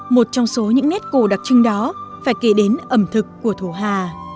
một trong số những nét cổ đặc trưng đó phải kể đến ẩm thực của thổ hà